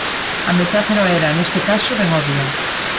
A metáfora era, neste caso, ben obvia.